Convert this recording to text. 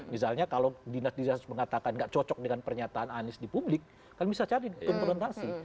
misalnya kalau dinastis mengatakan nggak cocok dengan pernyataan anis di publik kan bisa cari konfrontasi